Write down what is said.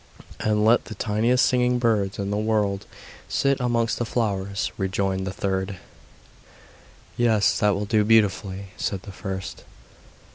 'And let the tiniest singing birds in the world sit amongst the flowers,' rejoined the third. 'Yes, that will do beautifully,' said the first.